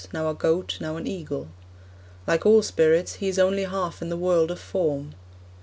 . now a goat, now an eagle. Like all spirits, he is only half in the world of form.'